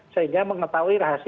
sehingga mengetahui rahasia